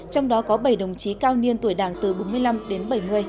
trong đó có bảy đồng chí cao niên tuổi đảng từ bốn mươi năm đến bảy mươi